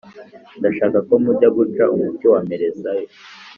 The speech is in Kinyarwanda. ndashaka ko mujya guca umuti wa mperezayo